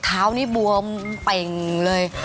เท้านี่บวมเป่งเลย